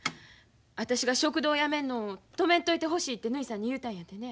私が食堂をやめるのを止めんといてほしいてぬひさんに言うたんやてね。